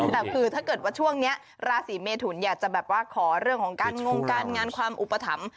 แต่คือถ้าเกิดว่าช่วงนี้ราศีเมทุนอยากจะแบบว่าขอเรื่องของการงงการงานความอุปถัมภ์